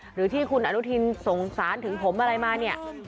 หรือที่คุณอนุทินสงสารถึงผมอะไรมาเนี่ย